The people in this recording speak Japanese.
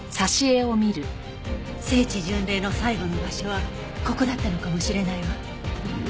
聖地巡礼の最後の場所はここだったのかもしれないわ。